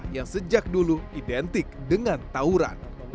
yang sejak dulu identik dengan tauran